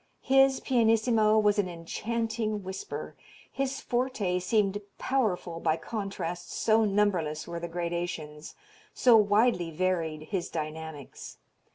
His pianissimo was an enchanting whisper, his forte seemed powerful by contrast so numberless were the gradations, so widely varied his dynamics.